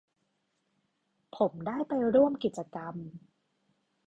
ผมได้ไปร่วมกิจกรรม